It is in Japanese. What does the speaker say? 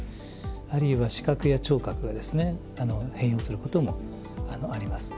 あるいは視覚や聴覚がですね変容することもあります。